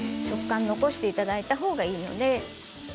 食感を残していただいたほうがいいので。